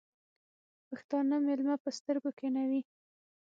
پښتانه مېلمه په سترگو کېنوي.